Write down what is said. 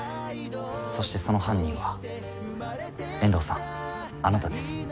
そしてその犯人は遠藤さんあなたです。